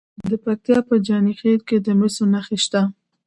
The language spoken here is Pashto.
د پکتیا په جاني خیل کې د مسو نښې شته.